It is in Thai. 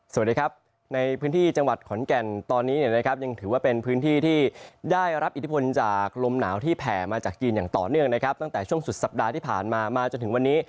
สวัสดีครับในพื้นที่จังหวัดขอนแก่นตอนนี้เนี่ยนะครับยังถือว่าเป็นพื้นที่ที่ได้รับอิทธิพลจากลมหนาวที่แผ่มาจากจีนอย่างต่อเนื่องนะครับตั้งแต่ช่วงสุดสัปดาห์ที่ผ่านมามาจนถึงวันนี้